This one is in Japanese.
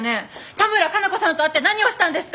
多村加奈子さんと会って何をしたんですか？